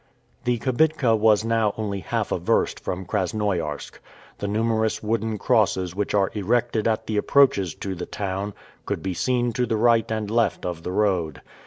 The kibitka was now only half a verst from Krasnoiarsk. The numerous wooden crosses which are erected at the approaches to the town, could be seen to the right and left of the road.